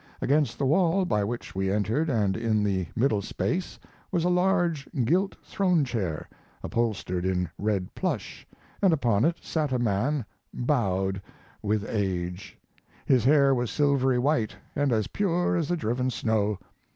Against the wall by which we entered and in the middle space was a large gilt throne chair, upholstered in red plush, and upon it sat a man bowed with age; his hair was silvery white and as pure as the driven snow.